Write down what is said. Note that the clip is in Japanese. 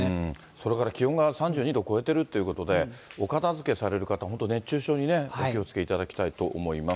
それから気温が３２度超えてるってことで、お片づけされる方、本当、熱中症にね、お気をつけいただきたいと思います。